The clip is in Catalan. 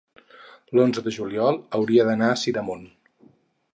l'onze de juliol hauria d'anar a Sidamon.